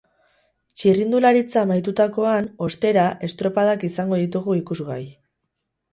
Txirrindularitza amaitutakoan, ostera, estropadak izango ditugu ikusgai.